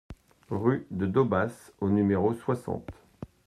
Rue de Daubas au numéro soixante